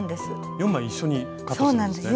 ４枚一緒にカットするんですね。